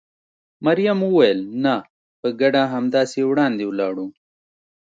مريم وویل: نه، په ګډه همداسې وړاندې ولاړو.